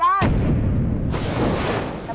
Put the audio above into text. แบบ